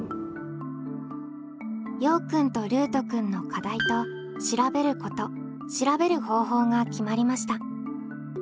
ようくんとルートくんの「課題」と「調べること」「調べる方法」が決まりました。